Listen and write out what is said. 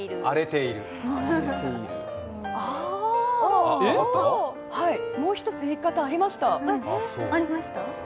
あぁ、もう一つ言い方ありました。